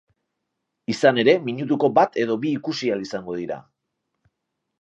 Izan ere, minutuko bat edo bi ikusi ahal izango dira.